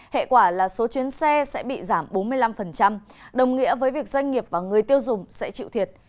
hệ quả là số chuyến xe sẽ bị giảm bốn mươi năm đồng nghĩa với việc doanh nghiệp và người tiêu dùng sẽ chịu thiệt